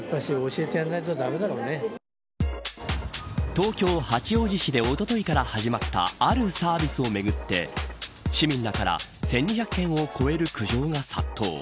東京・八王子市でおとといから始まったあるサービスをめぐって市民らから１２００件を超える苦情が殺到。